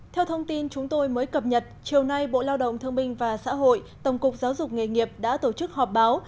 theo thông tin chúng tôi mới cập nhật chiều nay bộ lao động thương minh và xã hội tổng cục giáo dục nghề nghiệp đã tổ chức họp báo